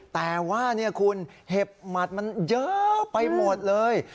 แต่ว่าคุณเห็บหมัดมันเยอะไปหมดเลย